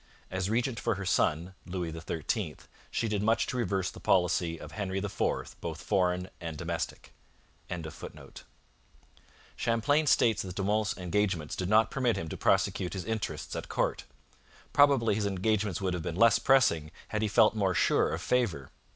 As regent for her son, Louis XIII, she did much to reverse the policy of Henry IV, both foreign and domestic.] Champlain states that De Monts' engagements did not permit him to prosecute his interests at court. Probably his engagements would have been less pressing had he felt more sure of favour.